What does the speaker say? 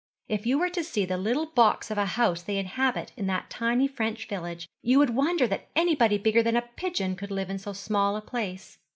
If you were to see the little box of a house they inhabit in that tiny French village, you would wonder that anybody bigger than a pigeon could live in so small a place.